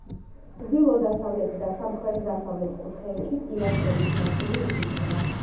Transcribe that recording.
ჩრდილო-დასავლეთ და სამხრეთ დასავლეთ კუთხეებში პილასტრების ნაწილი იკითხება.